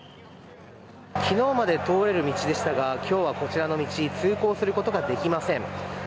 昨日まで、通れる道でしたが今日はこちらの道通行することができません。